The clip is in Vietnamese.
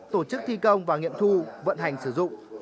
tổ chức thi công và nghiệm thu vận hành sử dụng